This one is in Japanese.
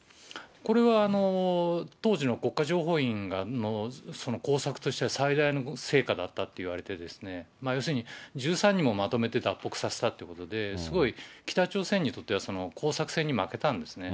これは当時の国家情報院の工作としては、最大の成果だったといわれて、要するに１３人もまとめて脱北させたということで、すごい北朝鮮にとっては、こうさくせんに負けたんですね。